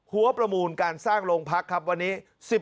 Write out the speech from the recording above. หัวประมูลการสร้างโรงพักครับวันนี้